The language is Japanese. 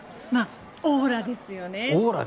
オーラですよ。